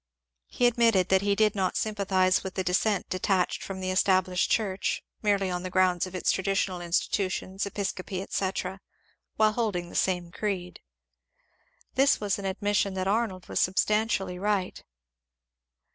He admitted that he did not sympathize with the dissent detached from the Established Church merely on the grounds of its traditional institutions, episcopacy, etc., while holding the same creed. This was an admission that Arnold was substantially right.